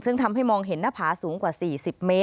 ซึ่งทำให้มองเห็นหน้าผาสูงกว่า๔๐เมตร